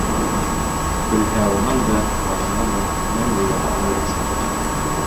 Белһә, унан да, баланан да мәңгегә төңөләсәк бит.